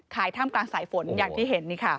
ท่ามกลางสายฝนอย่างที่เห็นนี่ค่ะ